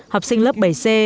học sinh lớp bảy c